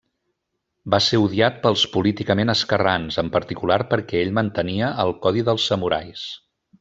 Va ser odiat pels políticament esquerrans, en particular perquè ell mantenia el codi dels samurais.